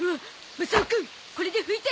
マサオくんこれで拭いて！